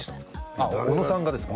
あっ小野さんがですか？